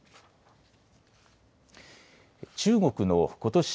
中国のことし